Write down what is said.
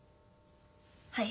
はい。